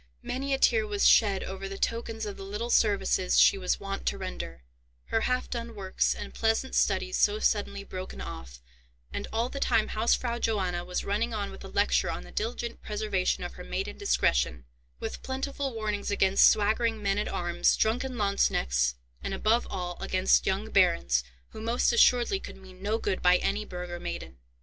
Many a tear was shed over the tokens of the little services she was wont to render, her half done works, and pleasant studies so suddenly broken off, and all the time Hausfrau Johanna was running on with a lecture on the diligent preservation of her maiden discretion, with plentiful warnings against swaggering men at arms, drunken lanzknechts, and, above all, against young barons, who most assuredly could mean no good by any burgher maiden.